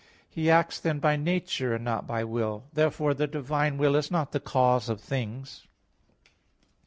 He acts then by nature, and not by will. Therefore the divine will is not the cause of things.